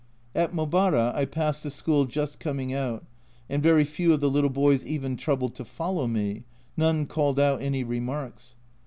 At Mobara I passed a school just coming out, and very few of the little boys even troubled to follow me ; none called out any remarks.